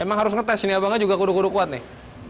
emang harus ngetes ini abangnya juga kuru guru kuat nih